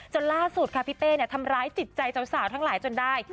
ล่าสุดค่ะพี่เป้ทำร้ายจิตใจสาวทั้งหลายจนได้